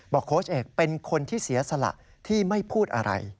โค้ชเอกเป็นคนที่เสียสละที่ไม่พูดอะไร